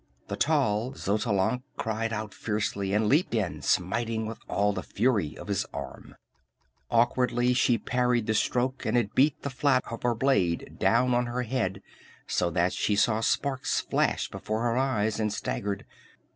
The tall Xotalanc cried out fiercely and leaped in, smiting with all the fury of his arm. Awkwardly she parried the stroke, and it beat the flat of her blade down on her head so that she saw sparks flash before her eyes, and staggered.